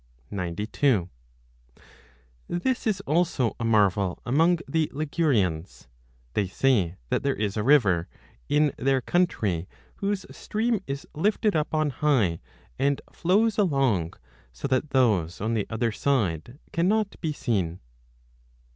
92 This is also a marvel among the Ligurians : they say 35 that there is a river 2 in their country whose stream is lifted up on high and flows along so that those on the other side cannot be seen.